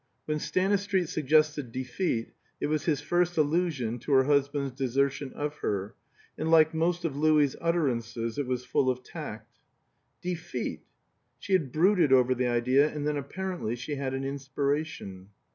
When Stanistreet suggested defeat, it was his first allusion to her husband's desertion of her; and like most of Louis's utterances, it was full of tact. Defeat? She had brooded over the idea, and then apparently she had an inspiration.